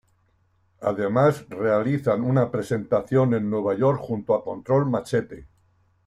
Además realizan una presentación en Nueva York junto a Control Machete.